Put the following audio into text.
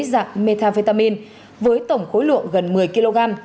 dạng metafetamin với tổng khối lượng gần một mươi kg